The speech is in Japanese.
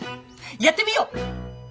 やってみよう！